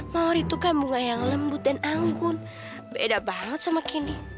mawar itu kan bunga yang lembut dan anggun beda banget sama kini